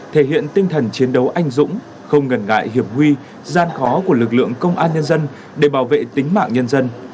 thể hiện tinh thần chiến đấu anh dũng không ngần ngại hiểm nguy gian khó của lực lượng công an nhân dân để bảo vệ tính mạng nhân dân